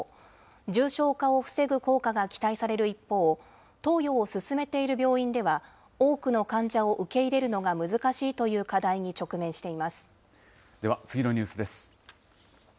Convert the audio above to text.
重症化を防ぐ効果が期待される一方、投与を進めている病院では、多くの患者を受け入れるのが難しでは次のニュースです。